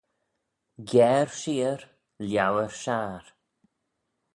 Giare sheear, liauyr shiar